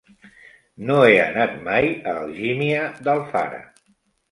No he anat mai a Algímia d'Alfara.